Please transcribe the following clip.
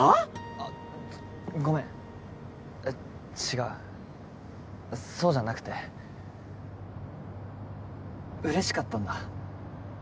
あごめん違うそうじゃなくて嬉しかったんだ